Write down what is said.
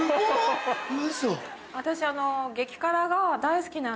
私。